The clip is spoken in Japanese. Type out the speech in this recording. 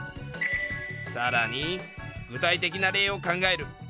さらに具体的な例を考える。